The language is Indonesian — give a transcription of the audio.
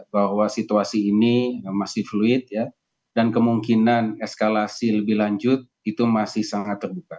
bahwa situasi ini masih fluid dan kemungkinan eskalasi lebih lanjut itu masih sangat terbuka